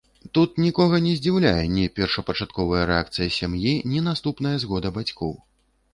Тут нікога не здзіўляе ні першапачатковая рэакцыя сям'і, ні наступная згода бацькоў.